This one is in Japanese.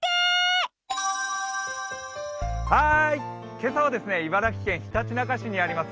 今朝はですね、茨城県ひたちなか市にあります